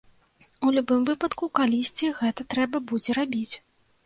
У любым выпадку, калісьці гэта трэба будзе рабіць.